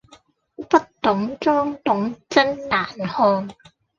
不懂裝懂真難看